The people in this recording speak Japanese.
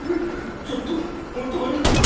ちょっとこたえるね。